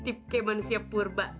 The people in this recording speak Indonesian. primitif kayak manusia purba